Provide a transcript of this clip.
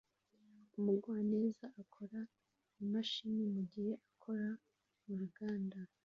Umugwaneza akora imashini mugihe akora muruganda